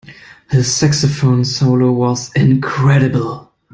His saxophone solo was incredible.